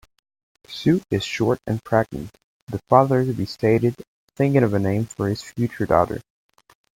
"Sue is short and pregnant", the father-to-be stated, thinking of a name for his future daughter.